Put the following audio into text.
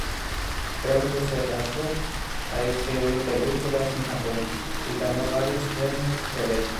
Pronto se pasó a distribuir películas en Japón, y ganó varios premios por ello.